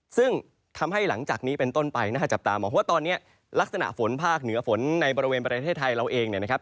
ซึ่งทำให้หลังจากนี้เป็นต้นไปน่าจับตามองว่าตอนนี้ลักษณะฝนภาคเหนือฝนในบริเวณประเทศไทยเราเองเนี่ยนะครับ